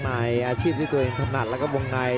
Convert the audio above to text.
อาชีพที่ตัวเองธรรมดาและแบบได้